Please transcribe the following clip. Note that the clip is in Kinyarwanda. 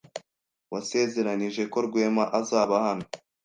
Wasezeranije ko Rwema azaba hano.